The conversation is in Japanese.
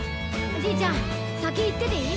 じいちゃんさきいってていい？